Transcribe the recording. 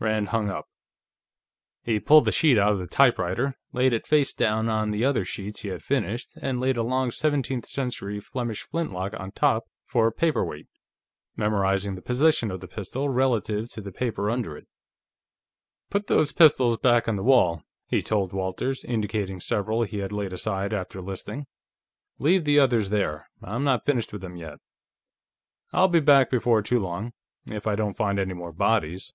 Rand hung up. He pulled the sheet out of the typewriter, laid it face down on the other sheets he had finished, and laid a long seventeenth century Flemish flintlock on top for a paperweight, memorizing the position of the pistol relative to the paper under it. "Put those pistols back on the wall," he told Walters, indicating several he had laid aside after listing. "Leave the others there; I'm not finished with them yet. I'll be back before too long. If I don't find any more bodies."